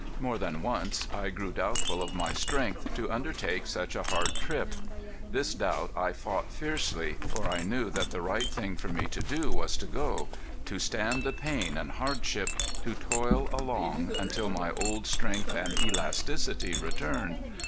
More than once I grew doubtful of my strength to undertake such a hard trip. This doubt I fought fiercely, for I knew that the right thing for me to do was to go to stand the pain and hardship to toil along until my old strength and elasticity returned.